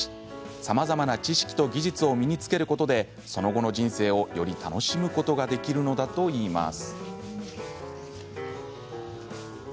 さまざまな知識と技術を身につけることでその後の人生をより楽しむことができるのだといいます。